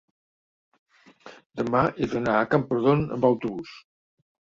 demà he d'anar a Camprodon amb autobús.